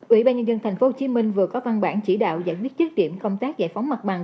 ủy ban nhân dân tp hcm vừa có văn bản chỉ đạo giải quyết chức điểm công tác giải phóng mặt bằng